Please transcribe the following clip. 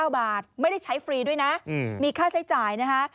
๙บาทไม่ได้ใช้ฟรีด้วยนะมีค่าใช้จ่ายนะคะ